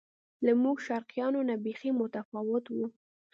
له موږ شرقیانو نه بیخي متفاوت و.